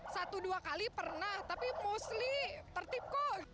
satu dua kali pernah tapi mostly tertib kok